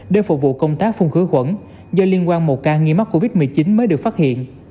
để phục vụ công tác phung khứa quẩn do liên quan một ca nghi mắc covid một mươi chín mới được phát hiện